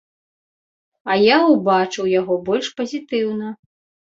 А я ўбачыў яго больш пазітыўна.